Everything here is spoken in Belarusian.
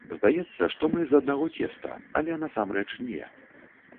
Здаецца, што мы з аднаго цеста, але насамрэч не.